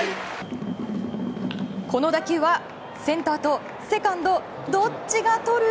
この打球は、センターとセカンド、どっちがとる？